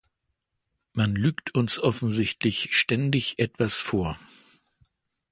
Man lügt uns offensichtlich ständig etwas vor.